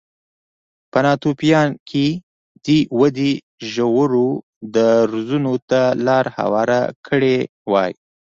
په ناتوفیان کې دې ودې ژورو درزونو ته لار هواره کړې وای